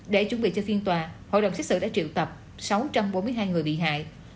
để chuẩn bị cho phiên tòa hội đồng xét xử đã triệu tập sáu trăm bốn mươi hai người bị hại